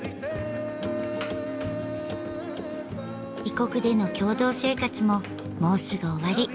異国での共同生活ももうすぐ終わり。